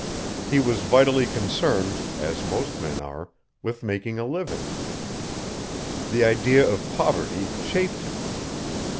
He was vitally concerned, as most men are, with making a living. The idea of poverty chafed him.